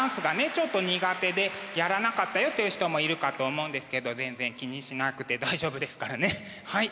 ちょっと苦手でやらなかったよっていう人もいるかと思うんですけど全然気にしなくて大丈夫ですからねはい。